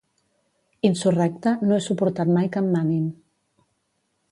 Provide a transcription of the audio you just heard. Insurrecte, no he suportat mai que em manin.